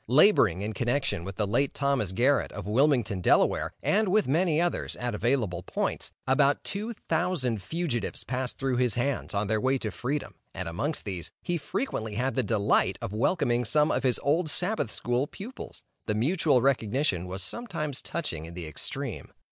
Laboring in connection with the late Thomas Garrett, of Wilmington, Del., and with many others, at available points, about two thousand fugitives passed through his hands, on their way to freedom, and amongst these, he frequently had the delight of welcoming some of his old Sabbath school pupils. The mutual recognition was sometimes touching in the extreme.